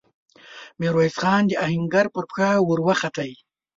ميرويس خان د آهنګر پر پښه ور وخووت.